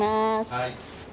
はい。